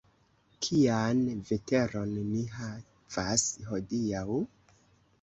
Kian veteron ni havas hodiaŭ?